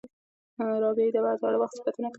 رابعې د زاړه وخت صفتونه کول.